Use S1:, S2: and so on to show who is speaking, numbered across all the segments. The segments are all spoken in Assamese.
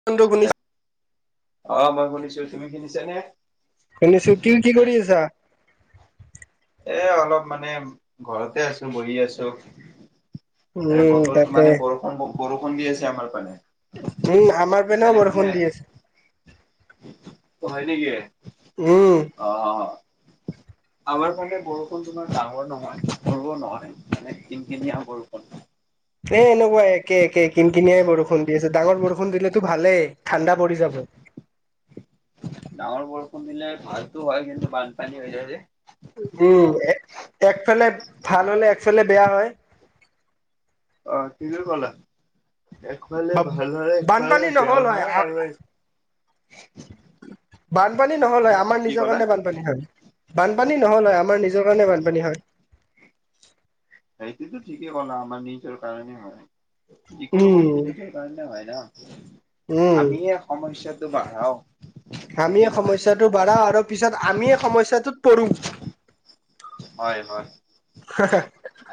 S1: [unintelligible]
S2: অ মই শুনিছো, তুমি শুনিছে নে?
S1: শুনিছোঁ। কি কি কৰি আছা?
S2: এ অলপ মানে ঘৰতে আছো বহি আছো। এ
S1: উম
S2: বতৰ
S1: তাকে
S2: মানে বৰষুণ বৰষুণ দি আছে আমাৰ পানে।
S1: উম আমাৰ পেনেও বৰষুণ দি আছে।
S2: হয় নেকি?
S1: উম।
S2: অ আমাৰ বৰষুণ তোমাৰ ডাঙৰ নহয় সৰু নহয় মানে কিনখিনীয়া বৰষুণ।
S1: এ এনেকুৱা একে একে কিন কিনিয়াই বৰষুণ দি আছে ডাঙৰ বৰষুণ দিলেতো ভালেই, ঠাণ্ডা পৰি যাব।
S2: ডাঙৰ বৰষুণ দিলে ভালতো হয় কিন্তু বানপানী হৈ যায় যে।
S1: উম একফালে ভাল হলে একফালে বেয়া হয়।
S2: অ ঠিকেই ক'লা। একফালে ভাল হয় একফালে
S1: বানপানী
S2: বেয়া
S1: নহ'ল
S2: হয়, আৰু এক
S1: বানপানী নহল হয় আমাৰ
S2: কি
S1: নিজৰ
S2: ক'লা
S1: কাৰণে বান- পানী হয় বানপানী নহয় হয় আমাৰ নিজৰ কাৰণে বানপানী হয়।
S2: সেইটোতো ঠিকেই কলা, আমাৰ নিজৰ কাৰণে হয়। যিকোনো
S1: উম
S2: বস্তু নিজে সেই কাৰণে হয় ন,
S1: উম
S2: আমিহে সমস্যাটো বাধাও।
S1: আমি সমস্যাটো বাঢ়াও আৰু পিছত আমিয়ে সমস্যাটোত পৰো।
S2: হয় হয়,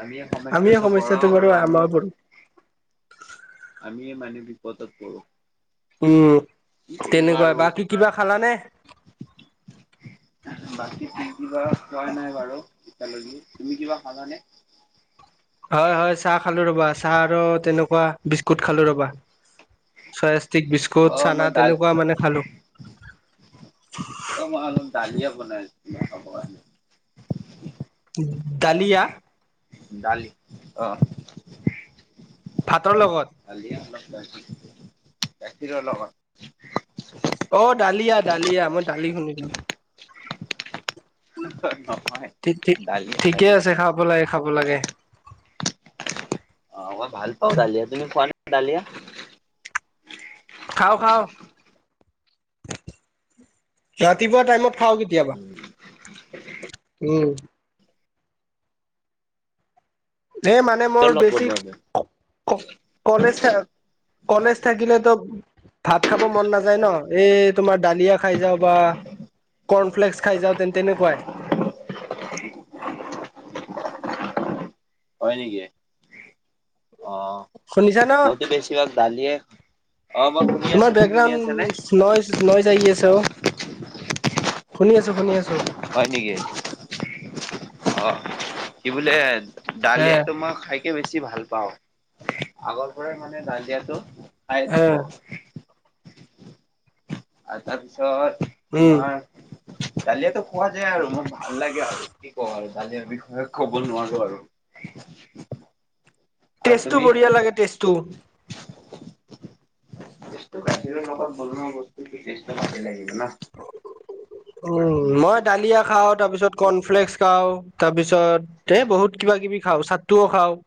S2: আমি
S1: আমিয়ে
S2: সমস্যাটো বঢ়াও
S1: বাৰু
S2: আৰু
S1: আমাৰ
S2: আমিও
S1: পৰো
S2: আমি মানে বিপদত পৰো।
S1: উম
S2: কি কৰিবা
S1: তেনেকুৱা,
S2: আৰু
S1: বাকী কিবা খালানে?
S2: [inaudible] বাকী কিবা খুৱা নাই বাৰু এতিয়ালৈকে, তুমি কিবা খালানে?
S1: হয় হয় চাহ খালো ৰবা, চাহ আৰু তেনেকুৱা বিস্কুট খালো ৰবা। চয়াস্তিক, বিস্কুট,
S2: অ'
S1: চানা
S2: মই দাল
S1: তেনেকুৱা মানে খালো।
S2: অ মই অলপ দালিয়ে বনাই আছিলো খাবৰ কাৰণে।
S1: ডালিয়া?
S2: ডালি আহ।
S1: ভাতৰ লগত?
S2: [unintelligible] অলপ গাখীৰৰ লগত।
S1: অ দালিয়া - দালিয়া মই দালি শুনিলো।
S2: হহ নহয়
S1: ঠিক ঠিক
S2: ডালিয়া -
S1: ঠিকে
S2: ডালিয়া।
S1: আছে খাব লাগ খাব লাগে।
S2: অ মই ভাল পাওঁ ডালিয়া, তুমি খুৱানে ডালিয়া?
S1: খাও খাও। ৰাতিপুৱা টাইমত খাও কেতিয়াবা, উম। এ মানে
S2: কিহৰ
S1: মোৰ
S2: লগত
S1: বেছি
S2: বনোৱা তুমি?
S1: কুঁ ক কলেজ থা কলেজ থাকিলেতো ভাত খাব মন নাযায় ন, এই তোমাৰ দালিয়া খাই যাও বা কৰ্ণফ্লেস খাই যাওঁ তেন্ত তেনেকুৱাই।
S2: হয় নেকি? অ।
S1: শুনিছা ন?
S2: মইতো বেছিভাগ দালিয়ে, অ মই শুনি আছো তুমি শুনি আছা নে?
S1: নৈচ নৈচ আহি আছে অ, শুনি আছো শুনি আছো।
S2: হয় নেকি? অ কি বোলে
S1: হে
S2: দালিয়টো মই খাই কে বেছি ভাল পাওঁ, আগৰ পৰাই মানে দালিয়াটো খাই
S1: হে
S2: থব। আৰু তাৰপিছত
S1: উম
S2: তোমাৰ ডালিয়াতো খোৱা যায় আৰু মোৰ ভাল লাগে আৰু। কি কওঁ আৰু কালি বিষয়ে কব নোৱাৰো আৰু। আৰু
S1: টেষ্টটো
S2: তুমি
S1: বঢ়িয়া লাগে টেষ্টটো।
S2: টেষ্টটো গাখীৰ লগাত বনোৱা বস্তুটো টেষ্টো ঠিকে লাগিব না।
S1: উম মই দালিয়া খাও। তাৰ পিছত কৰ্ণফ্লেক্স খাও তাৰ পিছত এ বহুত কিবা - কিবি খাও চাটোৱা খাও।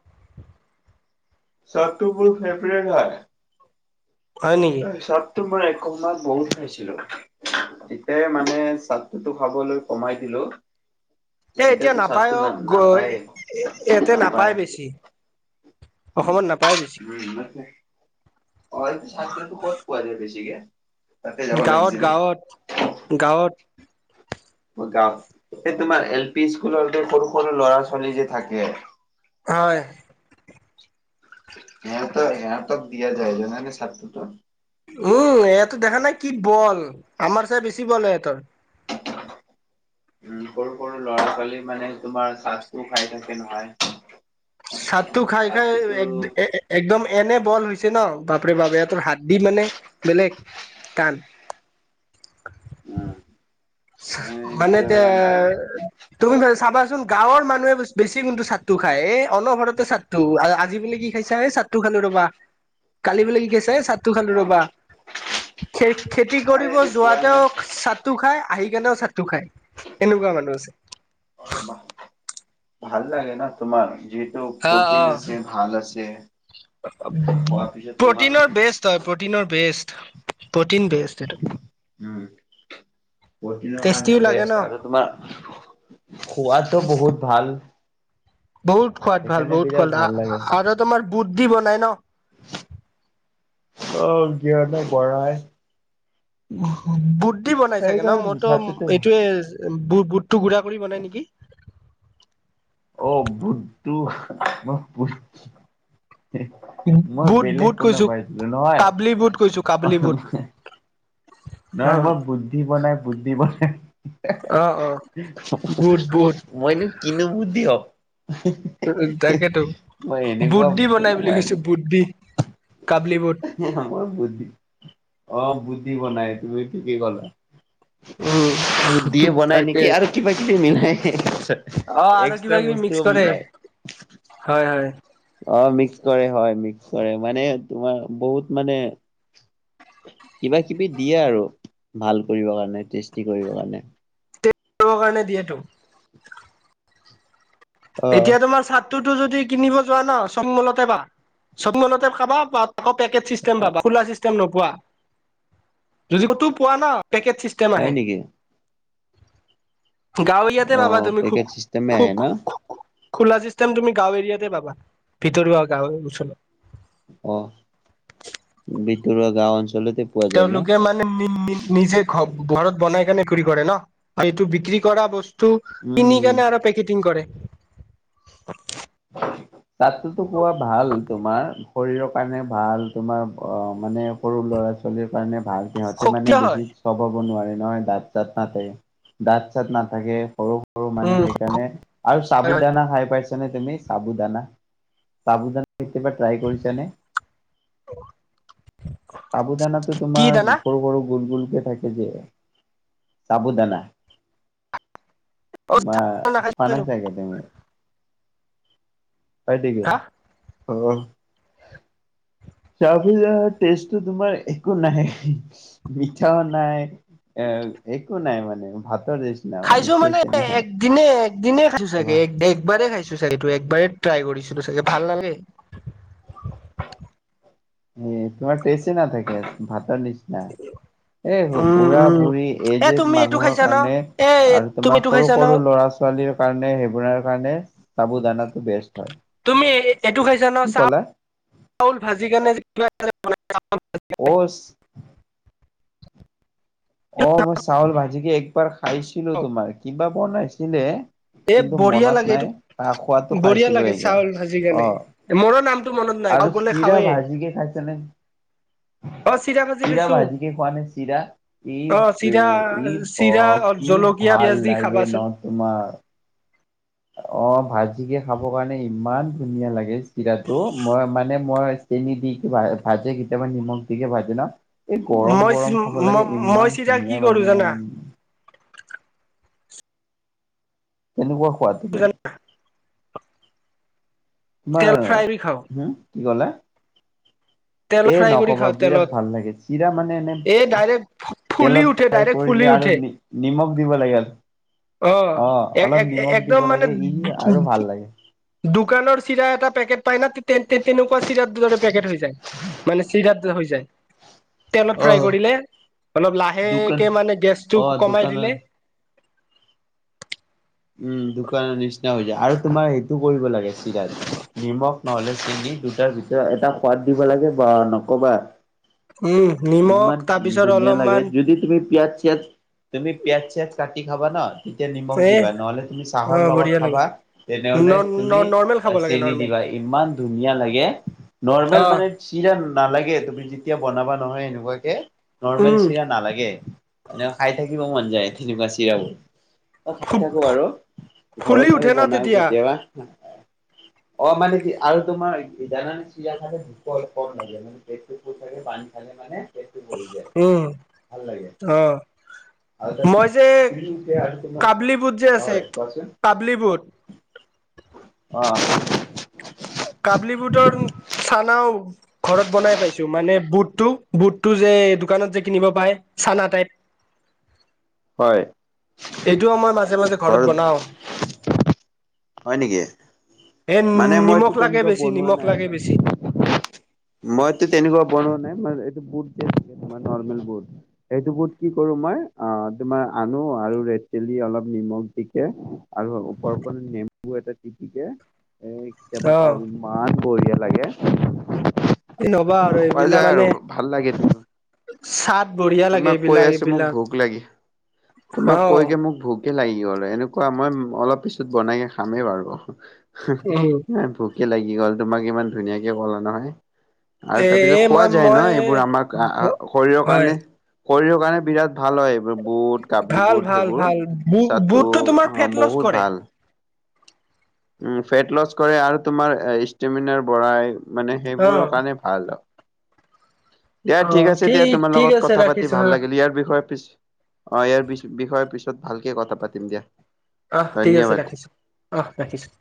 S2: চতটো মোৰ ফেবৰেট হয়।
S1: হয় নেকি
S2: তাৰ পিছত ত মই একম বহুত খাইছিলো। তেতিয়াই মানে চাদটোতো খাবলৈ কমাই দিলো।
S1: এ এতিয়া
S2: এতিয়াতো
S1: নাপায়
S2: চাৰ্টটো
S1: অ
S2: না
S1: গ এ
S2: নাপায়
S1: এ ইয়াতে নাপায় বেছি। অসমত নাপায় বেছি।
S2: উম মাত থাকে, অ এইটো চাকতো ক'ত পোৱা যায় বেছিকে? তাতে যাব
S1: গাঁৱত
S2: লাগিছিলে
S1: গাঁৱত গাঁৱত।
S2: অ গা এই তোমাৰ এল পি স্কুলৰ যে সৰু - সৰু ল'ৰা - ছোৱালী যে থাকে।
S1: হয়।
S2: হেহঁতক হেহঁতক দিয়া যায় যেনেকে ছাৰটোত
S1: উম ইহঁতো দেখা নাই কি বল আমাৰ চাই বেছি বল হয় ইহঁতৰ।
S2: উম সৰু - সৰু ল'ৰা - ছোৱালী মানে তোমাৰ চাদটো খাই থাকে নহয়।
S1: ছাতটো খাই খাই
S2: চাৰ্টটোতো
S1: এক এ এক একদম এনে বল হৈছে ন বাপৰে বাপ এহঁতৰ হাৰ্দি মানে বেলেগ টান।
S2: উম মই
S1: মানে এতিয়া
S2: দালি
S1: তুমি ভা চাবাচোন গাঁৱৰ মানুহে বে বেছি কিন্তু ছাতটো খায়। এ অনবৰতে ছাত টো আ আজি বোলে কি খাইছা এ ছাতটো খালো ৰ'বা, কালি বোলে কি খাইছা এ ছাত টো খালো
S2: অ
S1: ৰ'বা খে খেতি
S2: আমাৰ
S1: কৰিব
S2: ইয়াতে পোৱাই
S1: যোৱাতেও
S2: নাই
S1: ছাতটো খাই আহি কেনেও ছাতটো খাই এনেকুৱা মানুহ আছে।
S2: অ ভাল লাগে ন তোমাৰ যি
S1: হা অ,
S2: খোৱাৰ পিছত তোমাৰ
S1: প্ৰ'টিনৰ বেছ প্ৰ'টিনৰ বেষ্ট প্ৰ'টিন বেষ্ট এইটো।
S2: উম, প্ৰ'টিনৰ
S1: টেষ্টিও
S2: কাৰণেও
S1: লাগে ন
S2: বেষ্ট আৰু তোমাৰ খোৱাতো বহুত ভাল।
S1: বহুত খোৱাত ভাল
S2: সেইকাৰণে
S1: বহুত
S2: বিৰাট
S1: খোৱাত
S2: ভাল
S1: আ
S2: লাগে
S1: আৰু তোমাৰ বুট দি বনাই ন?
S2: অঁ কিবা এটা বঢ়াই।
S1: বুট দি বনাই চাগে ন
S2: সেইকাৰণে
S1: মইটো
S2: ছাতটোতো
S1: এইটোয়ে বুট বুটটো গুড়া কৰি বনাই নেকি?
S2: অহ বুটটো মই ব মই
S1: বুট
S2: বেলেগ
S1: বুট
S2: শুনা
S1: কৈছো
S2: পাইছিলো, নহয়।
S1: কাবলি বুট কৈছো কাবলি বুট
S2: নাই
S1: অ
S2: মই বুদ্ধি বনাই বুদ্ধি বনাই এ
S1: অ অ
S2: হে হে
S1: বুট বুট
S2: মইনো কিনো বুদ্ধিয়ক।
S1: উ তাকেটো বুট দি বনাই
S2: শুনা
S1: বুলি কৈছোঁ বুট দি কাবলী বুট।
S2: আমাৰ বুদ্ধি অ বুট দি বনাই তুমি ঠিকে ক'লা।
S1: উম
S2: বুট দিয়ে বনাই
S1: তাকে
S2: নেকি আৰু কিবা কিবি মিলাই
S1: অ আৰু
S2: এক্সট্ৰা
S1: কিবা কিবি মিক্স
S2: বস্তুও
S1: কৰে
S2: মিলাই।
S1: হয় হয়।
S2: অঁ মিক্স কৰে হয় মিক্স কৰে মানে তোমাৰ বহুত মানে কিবা কিবি দিয়ে আৰু ভাল কৰিব কাৰণে টেষ্টি কৰিব কাৰণে।
S1: টেষ্ট কাৰণে দিয়েটো।
S2: অ
S1: এতিয়া তোমাৰ ছাতটোতো যদি কিনিব যোৱা ন চব মলতে পাবা। চব মলতে পাবা বাত আকৌ পেকেট চিষ্টেম পাবা খোলা চিষ্টেম নোপোৱা। যদি ক'তো পোৱা ন পেকেট চি
S2: হয় নেকি?
S1: গাঁৱলীয়াতে
S2: অ
S1: পাবা তুমি খো
S2: পেকেট চিষ্টেমে
S1: খো
S2: আহে ন
S1: খোলা চিষ্টেম তুমি গাঁও এৰিয়াতে পাবা। ভিতৰুৱা গাঁৱৰ ওচৰত।
S2: অঁ। ভিতৰুৱা গাঁও অঞ্চলতে পোৱা যায় ন
S1: তেওঁলোকে মা নে নি নি নিজে ঘ ঘৰত বনাই কেনে বিক্ৰী কৰে ন। এইটো বিক্ৰী কৰা বস্তু টো
S2: উম
S1: কিনি
S2: উম
S1: কেনে আৰু পেকেটিং কৰে।
S2: ছাতটোতো খোৱা ভাল তোমাৰ। শৰীৰৰ কাৰণে ভাল তোমাৰ অঁ মানে সৰু ল'ৰা ছোৱালীৰ কাৰণে ভাল। সিহঁতে
S1: শক্তি
S2: মানে বেছি
S1: হয়
S2: চোবাব নোৱাৰে নহয় দাঁত চাঁত নাথাকে, দাঁত চাঁত নাথাকে সৰু সৰু মানে
S1: উম
S2: সেইকাৰণে আৰু চাবু দানা খাই পাইছা নে তুমি? চাবু দানা চাবু দানা কেতিয়াবা ট্ৰাই কৰিছা নে?
S1: [unintelligible]
S2: চাবু দানাটো
S1: কি
S2: তোমাৰ
S1: দানা
S2: সৰু সৰু গোল গোলকে থাকে যে চাবু দানা।
S1: অ
S2: বা খোৱা নাই চাগে তুমি? পাইতিকে
S1: হা
S2: অ [unintelligible] চাবু দানা টেষ্টটো তোমাৰ একো নায়ে। মিঠাও নাই এ একো নাই মানে ভাতৰ নিচিনা
S1: খাইছো মানে
S2: টেষ্টে নাহে এ
S1: এক দিনে এক দিনে খাইছো চাগে এক একবাৰেই খাইছো ছো চাগে সেইটো একবাৰেই ট্ৰাই কৰিছিলোঁ চাগে ভাল নালাগে।
S2: এ তোমাৰ টেষ্টে নাথাকে ভাতৰ নিচিনা। এই
S1: উম
S2: বুঢ়া -
S1: উম
S2: বুঢ়ী
S1: এ
S2: এইজ এড
S1: তুমি এইটো
S2: মানুহৰ
S1: খাইছা ন
S2: কাৰণে
S1: এ
S2: আৰু
S1: তুমি
S2: তোমাৰ
S1: এইটো
S2: সৰু
S1: খাইছা
S2: -
S1: ন
S2: সৰু ল'ৰা - ছোৱালীৰ কাৰণে সেইবোৰৰ কাৰণে চাবু দানাটো বেষ্ট হয়।
S1: তুমি এ এ এইটো খাইছা ন
S2: কি
S1: চাল
S2: ক'লা?
S1: চাউল ভাজি কেনে [inaudible]
S2: অচ অ মই চাউল ভাজিকে একবাৰ খাইছিলো তোমাৰ, কিবা বোৱা নাছিলে
S1: এ
S2: কিন্তু
S1: বঢ়িয়া
S2: মনত
S1: লাগে
S2: নাই,
S1: এইটো
S2: খা খোৱাটো
S1: বঢ়িয়া
S2: খাইছিলো
S1: লাগে
S2: এইবাৰ
S1: চাউল ভাজি কেনে
S2: অহ।
S1: মোৰো নামটো মনত নাই
S2: আৰু
S1: গাঁও গলে
S2: চিৰা
S1: খাওৱেই
S2: ভাজি কে খাইছা নে? চিৰা ভাজি কে খোৱা নে চিৰা? চি ই
S1: অ
S2: বে
S1: চিৰা
S2: ই ভ
S1: চিৰা
S2: কি
S1: জলকীয়া
S2: ভাল
S1: পিয়াজ দি
S2: লাগে
S1: খাবাচোন
S2: ন তোমাৰ? অ ভাজিকে খাব কাৰণে ইমান ধুনীয়া লাগে চিৰাটো মই মানে মই চেনি দি কিবা ভাজে কেতিয়াবা নিমখ দিকে ভাজে ন? এই গৰম -
S1: মই
S2: গৰম খাব লাগে
S1: মই
S2: ইমান
S1: চিৰা কি
S2: ধুনীয়া
S1: কৰো
S2: মানে।
S1: জানা
S2: কেনেকুৱা সোৱাদ।
S1: বিৰাট তেল
S2: তোমাৰ
S1: ফ্ৰাই কৰি খাওঁ
S2: হুম কি কলা?
S1: তেলত
S2: এ
S1: ফ্ৰাই কৰি
S2: নকবা
S1: খাওঁ
S2: বিৰাট
S1: তেলত
S2: ভাল লাগে, চিৰা মানে এনে
S1: এই ডাইৰেক্ট ফুলি
S2: তেলত
S1: উঠে
S2: ফ্ৰাই
S1: ডাইৰেক্ট ফুলি
S2: কৰিলে আৰু
S1: উঠে
S2: নি নিমখ দিব লাগে, অ অলপ নিমখ
S1: একদম
S2: দিব
S1: মানে
S2: লাগে ই আৰু ভাল লাগে।
S1: দোকানৰ চিৰা এটা পেকেট পাই ন তে তে তেনেকুৱা চিৰা দৰে পেকেট হৈ যায় মানে চিৰা হৈ যায়। তেলত
S2: অ
S1: ফ্ৰাই কৰিলে, অলপ
S2: দোকান
S1: লাহেকে মানে গেছটো
S2: অ
S1: কমাই দিলে
S2: দোকানত উম দোকানৰ নিচিনা হৈ যায় আৰু তোমাৰ সেইটো কৰিব লাগে চিৰাত নিমখ নহলে চিনি দুটাৰ ভিতৰত এটা সোৱাদ দিব লাগে বা নকবা।
S1: উম নিমখ
S2: ইমান
S1: তাৰপিছত
S2: ধুনীয়া লাগে
S1: অলপমান
S2: যদি তুমি পিঁয়াজ - চিঁয়াজ তুমি পিঁয়াজ - চিঁয়াজ কাটি খাবা ন তেতিয়া নিমখ
S1: এ
S2: দিবা নহলে তুমি
S1: অ
S2: চাহৰ লগত
S1: বঢ়িয়া লাগে
S2: খাবা। তেনেহলে তুমি
S1: নৰ্মেল
S2: এ
S1: খাব লাগে
S2: চেনি
S1: নৰ্মেল
S2: দিবা, ইমান ধুনীয়া লাগে নৰ্মেল
S1: অ
S2: মানে চিৰা নালাগে, তুমি যেতিয়া বনাবা নহয় এনেকুৱাকে নৰ্মেল
S1: উম
S2: চিৰা নালাগে। মান খাই থাকিবও মন যায় তেনেকুৱা চিৰাবোৰ। খাই থাকো আৰু
S1: ফুলি
S2: ঘৰত
S1: উঠে
S2: আৰু
S1: ন
S2: বনাই
S1: তেতিয়া
S2: কেতিয়াবা। অ মানে কি আৰু তোমাৰ ইদানান চিৰা খালে ভোক অলপ কম লাগে। পেটটো ফুল থাকে পানী খালে মানে। পেটটো ভৰি যায়
S1: উম
S2: ভাল লাগে
S1: অহ।
S2: আৰু
S1: মই
S2: তাৰপিছত
S1: যে
S2: ফুলি উঠে আৰু তোমাৰ
S1: কাবলি বুট যে আছে
S2: হয়
S1: চ
S2: কোৱাচোন
S1: কাবলি বুট
S2: অ।
S1: কাবলি বুটৰ চানাও ঘৰত বনাই পাইছো মানে বুটটো - বুটটো যে দোকানত যে কিনিব পাই চানা টাইপ
S2: হয়।
S1: এইটোও মই মাজে - মাজে ঘৰত বনাও।
S2: হয় নেকি?
S1: এ
S2: মানে মইটো
S1: নিমখ লাগে
S2: তেনেকুৱা
S1: বেছি
S2: বনোৱা
S1: নিমখ
S2: নাই
S1: লাগে
S2: মানে
S1: বেছি
S2: মইতো তেনেকুৱা বনোৱা নাই? মানে এইটো বুট যে নৰ্মেল বুট সেইটো বুট কি কৰো মই, আ তোমাৰ আনো আৰু ৰেড চিলি অলপ নিমখ দিকে আৰু ওপৰ ওপৰ নেমু এটা টিপি দে কেতিয়াবা
S1: অ
S2: খাওঁ ইমান বঢ়িয়া লাগে।
S1: এই নবা আৰু
S2: খোৱা যায় আৰু ভাল লাগেতো।
S1: সাত বঢ়িয়া লাগে
S2: তোমাক কৈ
S1: এইবিলাক
S2: আছ মোক
S1: এইবিলাক
S2: ভোক লাগে, তোমাক
S1: অ
S2: কৈ কি মোক ভোক তে লাগি গল এনেকুৱা মই অলপ পিছত বনাইে কে খামেই বাৰু হুহ হু,
S1: উম
S2: এ ভুক কে লাগি গ'ল তোমাক ইমান ধুনীয়াকে ক'লা নহয়? আৰু
S1: এ
S2: তাৰপিছত
S1: এ
S2: খোৱা
S1: মই
S2: যায় ন
S1: মই
S2: এইবোৰ আমাক আ আ শৰীৰৰ
S1: হয়
S2: কাৰণে। শৰীৰৰ কাৰণে বিৰাট ভাল হয় এইবোৰ বুট কাবলী
S1: ভাল
S2: বুট
S1: ভাল
S2: সেইবোৰ
S1: ভাল
S2: চাটো
S1: বুটটো তোমাৰ
S2: হা
S1: ফেট লছ
S2: বহুত
S1: কৰে
S2: ভাল। উম ফেট লচ কৰে আৰু তোমাৰ এ ষ্টেমিনাৰ বঢ়াই মানে
S1: অ
S2: সেইবোৰৰ কাৰণে ভাল হয়। দিয়া
S1: অ
S2: ঠিক আছে দিয়া তোমাৰ
S1: ঠিক
S2: লগত
S1: আছে
S2: কথা পাতি
S1: ৰাখিছো
S2: ভাল
S1: হা
S2: লাগিল ইয়াৰ বিষয়ে পিছ অ ইয়াৰ বিষয়ৰ পিছত ভালকে কথা পাতিম দিয়া।
S1: আহ ঠিক আছে
S2: ধন্যবাদ।
S1: ৰাখিছো, আহ ৰাখিছো।